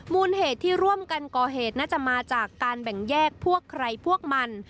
มูลเหตุที่ร่วมกันก่อเหตุน่าจะมาจากการแบ่งแยกพวกใครพวกมัน